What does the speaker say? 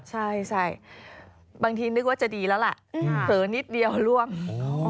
ใช่บางทีนึกว่าจะดีแล้วล่ะเผลอนิดเดียวร่วง